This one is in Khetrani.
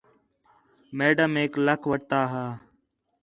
میڈمیک لَکھ وٹھتا ہا